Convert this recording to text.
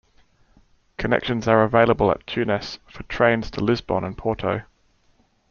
Connections are available at Tunes for trains to Lisbon and Porto.